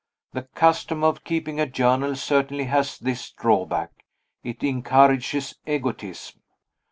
The custom of keeping a journal certainly has this drawback it encourages egotism.